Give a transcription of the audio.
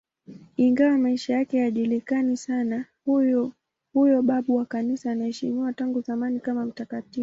Ingawa maisha yake hayajulikani sana, huyo babu wa Kanisa anaheshimiwa tangu zamani kama mtakatifu.